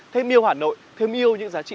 thêm yêu hà nội thêm yêu những giá trị